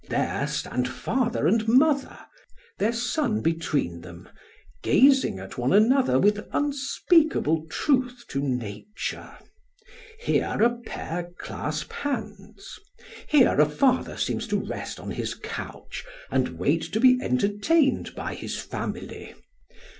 There stand father and mother, their son between them, gazing at one another with unspeakable truth to nature. Here a pair clasp hands. Here a father seems to rest on his couch and wait to be entertained by his family.